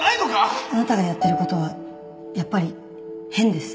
あなたがやってる事はやっぱり変です。